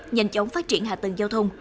nhanh chóng phát triển hạ tầng giao thông